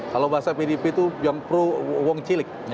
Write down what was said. kalau bahasa pdp itu yang pro wong cilik